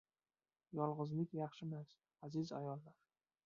Yolg‘izlik yaxshimas, aziz ayollar!!